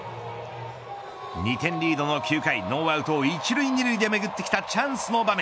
２点リードの９回ノーアウト１塁２塁でめぐってきたチャンスの場面。